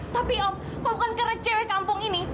tapi om kau bukan kerec cewek kampung ini